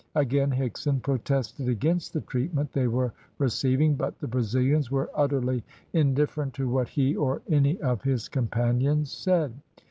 Again Higson protested against the treatment they were receiving, but the Brazilians were utterly indifferent to what he or any of his companions said.